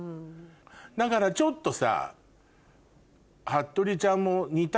だからちょっとさ。